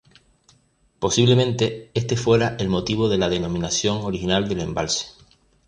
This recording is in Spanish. Posiblemente este fuera el motivo de la denominación original del embalse.